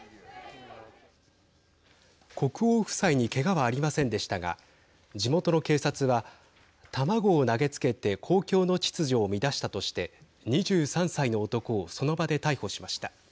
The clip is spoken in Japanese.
国王夫妻にけがはありませんでしたが地元の警察は、卵を投げつけて公共の秩序を乱したとして２３歳の男をその場で逮捕しました。